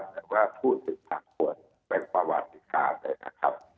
แต่ว่าพูดถึงประวัติการเลยนะครับ